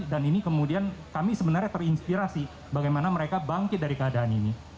dan ini kemudian kami sebenarnya terinspirasi bagaimana mereka bangkit dari keadaan ini